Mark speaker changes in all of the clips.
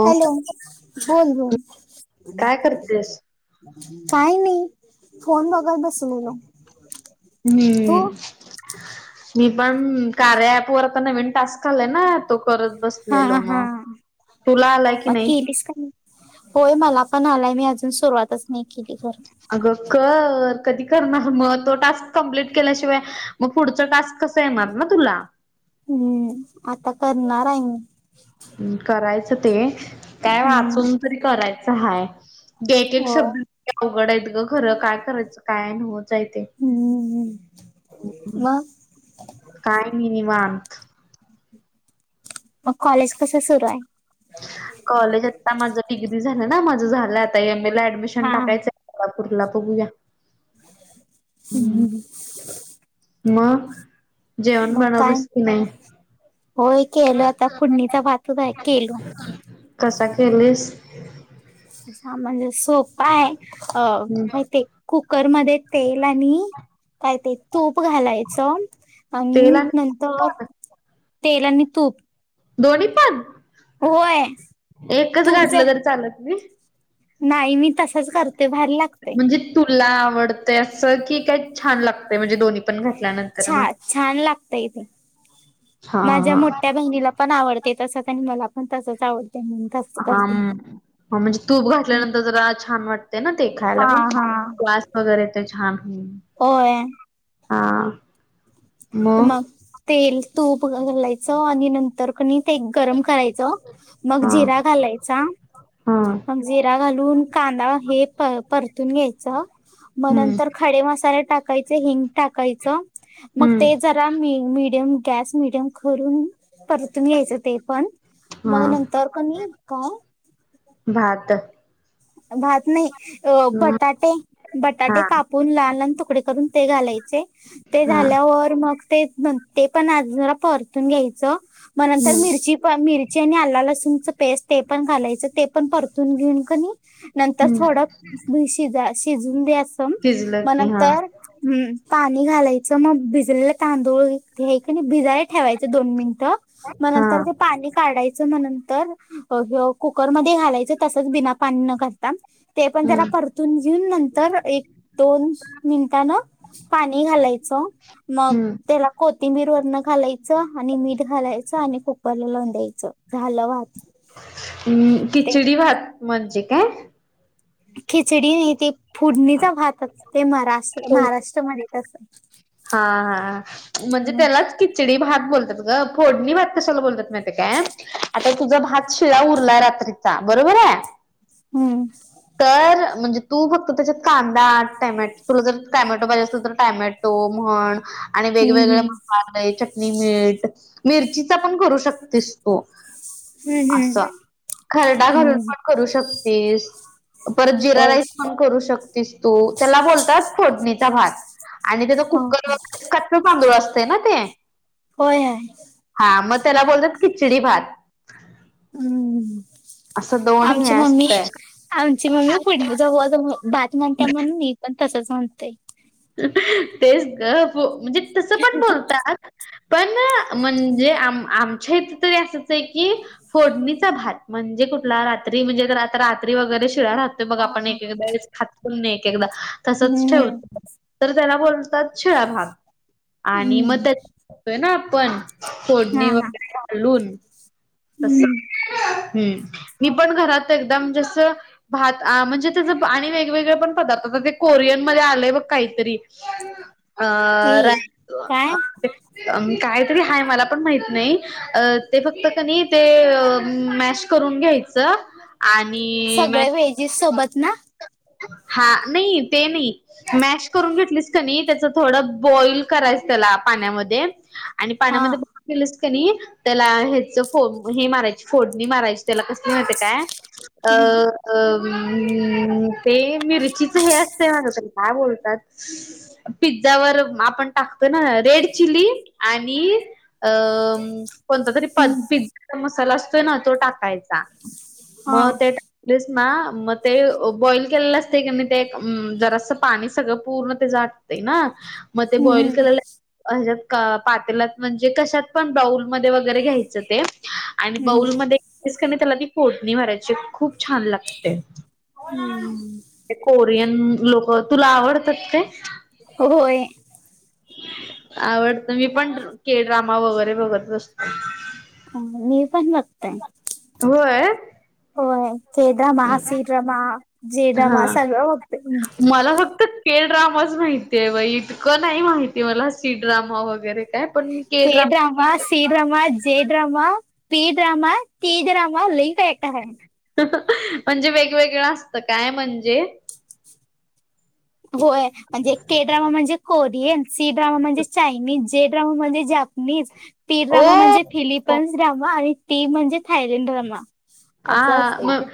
Speaker 1: Hello बोल बोल.
Speaker 2: काय करतेस?
Speaker 1: काय नाही फोन बगत बसलेलो. तू
Speaker 2: हम्म. मी पण कार्याऐप वर नवीन टास्क आलय ना तो करत
Speaker 1: हा
Speaker 2: बसलेलो
Speaker 1: हा
Speaker 2: म, तुला आलाय की नाही?
Speaker 1: [unintelligible] होय मला पण आलाय मी अजून सुरुवातच नाही केली जर.
Speaker 2: अगं कर कधी करणार म तो टास्क कम्प्लीट केल्याशिवाय मग पुढचा टास्क कसं येणार ना तुला.
Speaker 1: हम्म आता करणार आहे मी.
Speaker 2: करायचं ते काय
Speaker 1: हम्म
Speaker 2: वाचून तरी करायचं हाय. गेटेक
Speaker 1: होय
Speaker 2: शब्द या अवघड आहेत गं. खरं काय करायचं काय ना होच आहे ते
Speaker 1: हम्म मग
Speaker 2: काय नी निवांत.
Speaker 1: मग कॉलेज कसं शुरू आहे?
Speaker 2: कॉलेज आता माझं डिग्री झालं ना माझं झालेय आता एम ए ला ऍडमिशन
Speaker 1: हा
Speaker 2: टाकायचं कोल्हापूरला बघूया.
Speaker 1: [unintelligible]
Speaker 2: म
Speaker 1: मग काय होय केलं आता फोडणीचा भातचं आहे केलो.
Speaker 2: कसा केलीस?
Speaker 1: हा म्हणजे सोपा आहे अ माहिती कुकरमध्ये तेल आणि काय ते तूप घालायचं
Speaker 2: तेल
Speaker 1: आणि नंतर
Speaker 2: पण
Speaker 1: तेल आणि तूप
Speaker 2: दोन्ही पण
Speaker 1: होय
Speaker 2: एकचं
Speaker 1: तूप जर
Speaker 2: घातलं तरी चालत नई?
Speaker 1: नाही मी तसच करते भारी लागते.
Speaker 2: म्हणजे तुला आवडतय असं की काय छान लागते म्हणजे दोन्ही पण घातल्यानंतर
Speaker 1: छा
Speaker 2: ना
Speaker 1: छान लागतय ते
Speaker 2: हा
Speaker 1: माझ्या मोठ्या बहिनी ला पण आवडते तसं आणि मला पण तसच आवडते नी.
Speaker 2: हाम म्हणजे तूप घातल्यानंतर जरा छान वाट ते ना ते
Speaker 1: हा
Speaker 2: खायला पण
Speaker 1: हा
Speaker 2: वास वगैरे ते छान हम्म
Speaker 1: होय
Speaker 2: हा.
Speaker 1: मग तेल तूप घालायचं आणि नंतर कणी ते गरम कराय चा मग
Speaker 2: हा
Speaker 1: जिरा घालायचा
Speaker 2: हा
Speaker 1: मग जरा घालून कांदा हे प परतून घ्यायचा मग
Speaker 2: हम्म
Speaker 1: नंतर खडे मसाले टाक कायचं हिंग टाकायचं मग ते
Speaker 2: हम्म
Speaker 1: जरा मि मिडियम गॅस मिडियम करून परतून घ्यायचा ते पण
Speaker 2: हा
Speaker 1: मग नंतर क नी काय
Speaker 2: भातं
Speaker 1: भात नाही अ
Speaker 2: म
Speaker 1: बटाटे
Speaker 2: हा
Speaker 1: बटाटे कापून लहान-लहान तुकडे करून ते घालायचे ते
Speaker 2: हा
Speaker 1: झाल्यावर मग तेच नं ते पण अजमेरा परतून घ्यायचं म नंतर
Speaker 2: हम्म
Speaker 1: मिरची पण मिरची आणि आला लसूणचा पेस ते पण घालायच ते पण परतून घेऊन क नी नंतर
Speaker 2: हम्म
Speaker 1: थोडा भू शिजा शिजून द्या सम
Speaker 2: शिजलं
Speaker 1: म
Speaker 2: की हा
Speaker 1: नंतर हम्म पाणी घालायचं म भिजलेला तांदूळ हे की नी आणि भिजायला ठेवायचं दोन मिंट म
Speaker 2: हा
Speaker 1: नंतर ते पाणी काढायचं म नंतर अ ब कुकरमध्ये घालायचं तसचं बिना पाणी नका ताम ते पण जरा
Speaker 2: हम्म
Speaker 1: परतून घेऊन नंतर एक दोन्स मींटान पाणी घालायचं मग तेला कोथिंबीर वरनं घालायचं आणि मीठ घालायचं आणि कुकरला लावून द्यायचं झालं भात.
Speaker 2: उम
Speaker 1: ते
Speaker 2: खिचडी भात म्हणजे काय?
Speaker 1: खिचडी नाही ते फोडणीचा भातच ते महाराष्
Speaker 2: हो
Speaker 1: महाराष्ट्रमध्ये तसं
Speaker 2: हा हा म्हणजे त्यालाच खिचडी भात बोलतात. अगं फोडणी भात कशाला बोलतात माहिती काय आता तुझा भात शिळा उरला रात्री चा बरोबर हाय.
Speaker 1: हम्म.
Speaker 2: तर म्हणजे तू फक्त त्याच्यात कांदा टमॅ जर तुला जर टमॅटो पाहिजे असेल तर टमॅ टो म्हण आणि
Speaker 1: हम्म
Speaker 2: वेगवेगळे मसाले हेच्यात नी मिठ मिरचीचा पण करू शकतेस तू.
Speaker 1: हम्म हम्म
Speaker 2: असा खरडा घालून
Speaker 1: हम्म
Speaker 2: पण करू शकतेस. परत जिरा
Speaker 1: होय
Speaker 2: राईस पण करू शकतीस तू त्याला बोलतात फोटणीचा भात. जे
Speaker 1: हा
Speaker 2: कुकर वगैरे [unintelligible] चांगलं असते ना ते.
Speaker 1: होय हाय
Speaker 2: हा म त्याला बोलतात किचडी भात.
Speaker 1: हम्म
Speaker 2: असं दोन हे
Speaker 1: आमची मम्मी
Speaker 2: असतंय.
Speaker 1: आमची मम्मी फोडणी जवळ ज म भात म्हणत्या म्हणून मी पण तसचं म्हणतय.
Speaker 2: तेच गं फ म्हणजे तसं पण बोलतात. पण म्हणजे आम आमच्या इथे तरी असचं आहे की फोडणीचा भात म्हणजे कुठला रात्री म्हणजे गं रात रात्री वगैरे शिळा राह ते बघ आपण एक एकदा वेळेस खात पण नाय एक एकदा तसचं
Speaker 1: हम्म
Speaker 2: ठेवतो तर त्याला बोलतात छेळा भात. आणि म
Speaker 1: हम्म
Speaker 2: ते [inaudible] न आपण
Speaker 1: हा
Speaker 2: फोडणी
Speaker 1: हा
Speaker 2: वगैरे घालून तसं
Speaker 1: हम्म
Speaker 2: हम्म मी पण घरात एकदम जसं भात आ म्हणजे तेचा आणि वेगवेगळे पण पदार्थ ते कोरियनमध्ये आलेय बघ काहीतरी अ
Speaker 1: ती
Speaker 2: रा.
Speaker 1: काय
Speaker 2: [inaudible] अं काहीतरी हाय मला पण माहित नाही. अ ते फक्त क नी ते अं मॅश करून घ्याय चं आणि मेन.
Speaker 1: सगळे व्हेजीस सोबत ना
Speaker 2: [inaudible] हा नई ते नायी. मॅश करून घेतलीस का नी त्याचा थोडं बॉईल करायचा त्याला पाण्यामध्ये आणि
Speaker 1: हा
Speaker 2: पाण्यामध्ये [inaudible] केलस क नी त्याला हेच फो हे मारायची फोडणी मारायची त्याला कसली माहिती काय अ
Speaker 1: हम्म
Speaker 2: अं ते मिरचीचा हे असते [unintelligible] तरी कोळतात पिझ्झावर म आपण टाकतो ना अ रेड चिली आणि अम कोणता तरी प
Speaker 1: हम्म
Speaker 2: पिझ्झा मसाला असतोय ना तो टाकायचा
Speaker 1: हा
Speaker 2: म ते टाक प्लेस ना म ते अ बॉईल केलेला असते क नी घेऊन ते अं जरासा पाणी सगळं पूर्ण त्याचं आटते ना मग ते
Speaker 1: हम्म
Speaker 2: बॉईल
Speaker 1: हम्म
Speaker 2: केलेला अ हेज्यात का पातेलात म्हणजे कशात पण बाउल मध्ये वगैरे घ्यायचं ते आणि
Speaker 1: हम्म
Speaker 2: बाऊलमध्ये [inaudible] ते त्याला ती फोडणी मारायची खूप छान लागते.
Speaker 1: हम्म
Speaker 2: ते कोरियन लोकं तुला आवडतात काय
Speaker 1: होय
Speaker 2: आवडतं मी पण के ड्रामा वगैरे बघत बसतो.
Speaker 1: कोण निळ पण बघतय
Speaker 2: होय
Speaker 1: होय K drama, C drama, J drama
Speaker 2: हा
Speaker 1: सगळं बघतय मी.
Speaker 2: मला फक्त के ड्रामाच माहिती आहे बाई इतकं नाही माहितीे मला सी ड्रामा वगैरे तय पण मी K drama
Speaker 1: K drama, J drama, P drama, T drama लय काय-काय आहे.
Speaker 2: म्हणजे वेगवेगळं असतं काय म्हणजे?
Speaker 1: होय म्हणजे के ड्रामा म्हणजे कोरियन, सी ड्रामा म्हणजे चायनीज जे ड्रामा म्हणजे जापनीज, पी
Speaker 2: ओ
Speaker 1: ड्रामा म्हणजे फिलिप कंस ड्रामा आणि टी म्हणजे थायलंड ड्रामा.
Speaker 2: आ
Speaker 1: असं
Speaker 2: म
Speaker 1: असतंय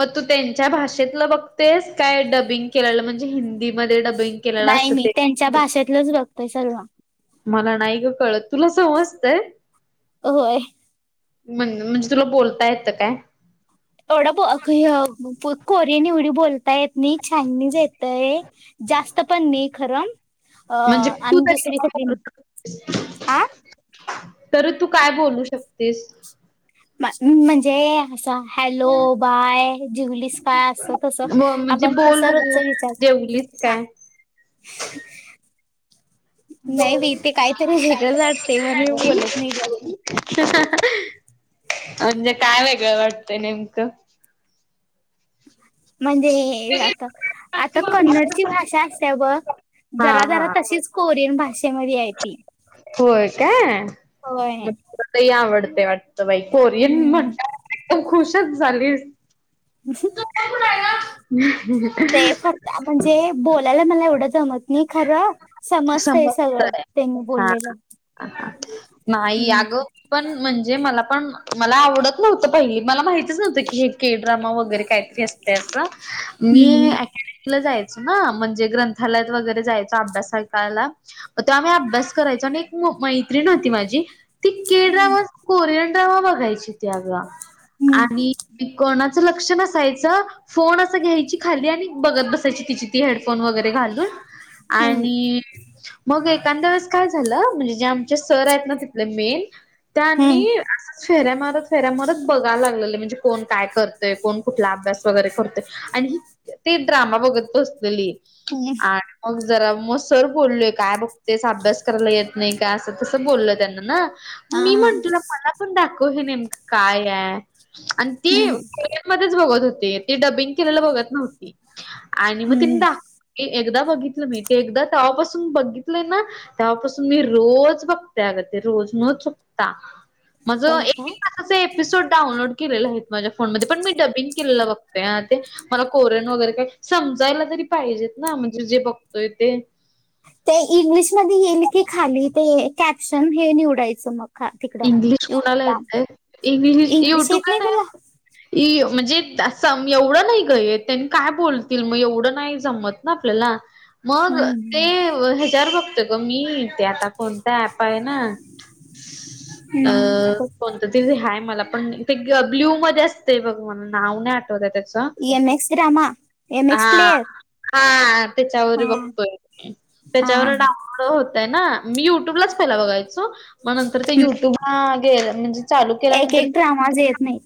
Speaker 2: मग तू त्यांच्या भाषेतलं बघतेस काय डबिंग केलेलं म्हण जे हिंदीमध्ये डबिंग केलेलं असतं ते.
Speaker 1: च्या भाषेतलंच बघतय सर्वा.
Speaker 2: मला नाही गं कळत तुला समजते?
Speaker 1: होय
Speaker 2: म्हण म्हणजे तुला बोलता येतं काय?
Speaker 1: तेवढा बो अख य कोरियन येवढी बोलतायेत नी चायनीज येतंय जास्त पण नाही खरं. आ
Speaker 2: म्हणजे तू
Speaker 1: आणि दूसरीचं
Speaker 2: तरी
Speaker 1: फिलिम आं.
Speaker 2: तरी तू काय बोलू शकतेस?
Speaker 1: म म्हणजे असं हॅलो, बाय, जीवलीस का असं तसं
Speaker 2: ब म्हणजे
Speaker 1: आपण
Speaker 2: बोल
Speaker 1: तसं
Speaker 2: बघू
Speaker 1: रोजचं विचार
Speaker 2: जेवलीस काय? [unintelligible]
Speaker 1: नाही बाई ते काहीतरी वेगळंच वाटते म्हणून मी बोलत नाही जास्त
Speaker 2: म्हणजे काय वेगळं वाटतंय नेमकं?
Speaker 1: म्हणजे ए आता आता कन्नडची भाषा असते ब
Speaker 2: हा
Speaker 1: जरा-जरा
Speaker 2: हा
Speaker 1: तशीच कोरियन भाषेमध्ये आहे ती.
Speaker 2: होय काय
Speaker 1: होय.
Speaker 2: मग [unintelligible] आवडते वाट तय बाई कोरियन
Speaker 1: हम्म
Speaker 2: म्हंटल्यावर खुशच झालीस.
Speaker 1: ह [unintelligible]
Speaker 2: [unintelligible]
Speaker 1: ते फक्त म्हणजे बोलायला मला एवढं जमत नी खरं समजतय सगळं
Speaker 2: समजतंय
Speaker 1: त्यांनी बोललेलं.
Speaker 2: हा. नाही या
Speaker 1: हम्म.
Speaker 2: गं पण म्हणजे मला पण मला आवडत नव्हतं पहिले मला माहितीच नव्हतं की हे के ड्रामा वगैरे काहीतरी अस तय असं मी
Speaker 1: हम्म.
Speaker 2: अकॅडमीला जायचो ना म्हणजे ग्रंथालयात वगैरे जायचो अभ्यासा कायला तेव्हा आम्ही अभ्यास करायचो आणि एक मैत्रीण माझी ती के ड्रामा कोरियन ड्रामा बघायची त्या गं
Speaker 1: हम्म.
Speaker 2: आणि ती कोणा चा लक्ष नसायचं फोन असं घ्यायची खाली आणि बघत बसायची तिची ती हेडफोन वगैरे घालून.
Speaker 1: हम्म. हम्म.
Speaker 2: आणि मग एखाद्या वेळेस काय झालं म्हणजे जे आमचे सर आहेत ना तिथले मेन, त्यांनी
Speaker 1: हम्म.
Speaker 2: असंच फेऱ्या मारत, फेऱ्या मारत बघायला लागलेले म्हणजे कोण काय करतय, कोण कुठला अभ्यास वगैरे करतोय. आणि ते ड्रामा बघत बसलेली.
Speaker 1: [unintelligible]
Speaker 2: आणि मग जरा म सर बोललोय काय बघतेस अभ्यास करायला येत नाही काय असं तसं बोललय त्यांना ना
Speaker 1: हा
Speaker 2: मी
Speaker 1: हा
Speaker 2: म्हणटलो मला पण दाखव हे नेमकं काय हाय आणि ती
Speaker 1: हम्म.
Speaker 2: मध्येच बघत होते ती डबिंग केलेला बघत नव्हती आणि मग
Speaker 1: हम्म
Speaker 2: तिनी दाखवली. एकदा बघितलं मी, ते एकदा तवापासून बघितलंय ना तेव्हापासून मी रोज बघते अग ते रोज न चुकता. माझ
Speaker 1: होय काय
Speaker 2: एक असे एपिसोड डाउनलोड केलेले आहेत माझ्या फोनमध्ये, पण मी डबिंग केलेलं बघते हा ते. मला कोरेन वगैरे काय समजायला तरी पाहिजेत ना म्हणजे जे बघतोय ते.
Speaker 1: ते इंग्लिशमध्ये येईल की खाली ते कॅप्शन हे निवडायचं मग. खा- तिकडं
Speaker 2: इंग्लिश कोुणाला
Speaker 1: युट्यूबला
Speaker 2: येतंय इंग्लिश युट्यूबला नाही इ म्हणजे असं एवढं नाही ग येत आणि काय बोलतील मग एवढं नाही जमत ना आपल्याला. मग ते
Speaker 1: हम्म.
Speaker 2: ह्याच्यावर बघतोय ग मी ते आता कोणता ऍप आहे ना अ कोणत तरी हाय मला पण ते ब्ल्यूमध्ये असतंय बघ मला नाव नाही आठ वत हाय त्याच.
Speaker 1: M X drama M X
Speaker 2: हा.
Speaker 1: प्लेयर
Speaker 2: हा त्याच्यावर
Speaker 1: हा
Speaker 2: बघतोय.
Speaker 1: हा
Speaker 2: त्याच्यावर डा उनलोड होतंय ना, मी युट्यूबलाच पहिला बघायचो. मग नंतर तर ते युट्यूब हा गे म्हणजे चालू केल्यानंतर
Speaker 1: ट्रामाज येत नाही.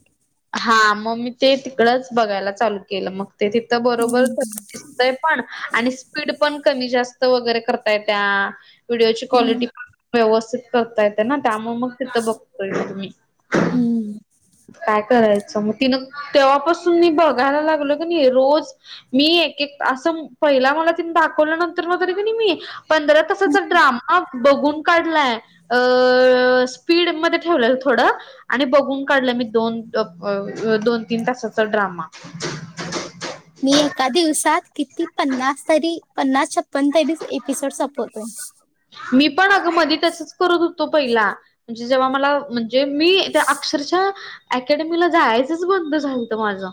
Speaker 2: हा मग मी ते तिकडंच बघायला चालू केलं, मग ते तिथं
Speaker 1: हम्म.
Speaker 2: बरोबर दिसतय. पण आणि स्पीड पण कमी जास्त वगैरे करता येत्या. त्या व्हिडिओची क्वालिटी
Speaker 1: हम्म.
Speaker 2: व्यवस्थित करता येते ना त्यामुळं मग तिथं बघतोय मी.
Speaker 1: हम्म.
Speaker 2: काय करायचं मग तिनं तेव्हापासून मी बघायला लागलोय की नई रोज मी एकेक असं पहिला मला तिनं दाखवलं नंतर मग तरी पण कनई मी पंधरा तसच ड्राम हा बघून काढलाय. अ स्पीडमध्ये ठेवलंल थोडं आणि बघून काढलंय मी दोन अब अ अ दोन तीन तासाच ड्रामा.
Speaker 1: मी एका दिवसात किती पन्नास तरी पन्नास, छप्पन तरी एपी. चट सापडतोय.
Speaker 2: मी पण अग मधी तसच करत होतो पहिला म्हणजे जेव्हा मला जे मी त्या अक्षरशः अकॅडमीला जायचंच बंद झालत माझं.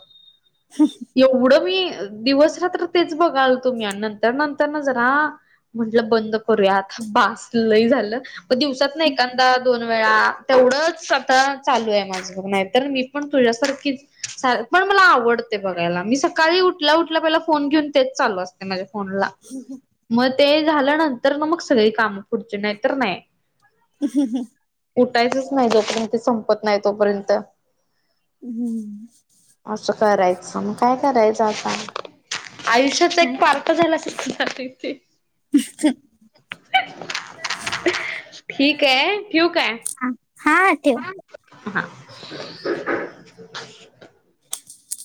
Speaker 1: [inaudible]
Speaker 2: एवढं मी दिवस रात्र तेच बघालतो मी आणि नंतर नंतर जरा म्हंटलं बंद करूया आता बास लई झालं. पण दिवसातनं एखांदा दोन वेळा तेवढंच सतत चालू आहे माझं. नाही तर मी पण तुझ्या सारखीच सार पण मला आवडते बघायला. मी सकाळी उठल्या उठल्या पहिला फोन घेऊन तेच चालू असते माझ्या फोनला.
Speaker 1: [inaudible]
Speaker 2: मग ते झाल्यानंतरन मग सगळी काम पुढची नाही तर नाही.
Speaker 1: [inaudible]
Speaker 2: उठायचंच नाही जोपर्यंत संपत नाही तोपर्यंत.
Speaker 1: हम्म.
Speaker 2: असं करायचं मग काय करायचं आता. आयुष्यात त्याचा
Speaker 1: हा
Speaker 2: एक पार्ट झाला असं [unintelligible]
Speaker 1: [inaudible]
Speaker 2: ठीक आहे. ठेऊ काय?
Speaker 1: हा, हा ठेव.
Speaker 2: हा.